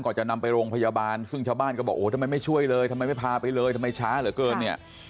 จะนำไปโรงพยาบาลซึ่งชาวบ้านก็บอกโอ้ทำไมไม่ช่วยเลยทำไมไม่พาไปเลยทำไมช้าเหลือเกินเนี่ย